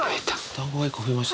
団子が１個増えました。